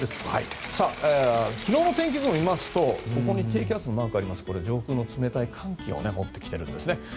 昨日の天気図を見ますと低気圧のマークがありますが上空の冷たい寒気を持ってきてるんですね。